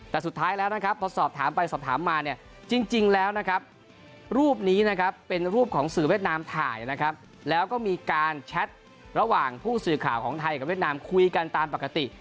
แต่สุดท้ายแล้วนะครับพอสอบถามไปสอบถามมาเนี่ยจริงแล้วนะครับรูปนี้นะครับเป็นรูปของสื่อเวียดนามถ่ายนะครับแล้วก็มีการแชทระหว่างผู้สื่อข่าวของไทยกับเวียดนามคุยกันตามปกติ